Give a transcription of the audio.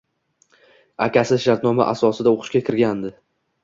Akasi shartnoma asosida o`qishga kirgandi